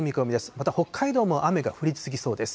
また北海道も雨が降り続きそうです。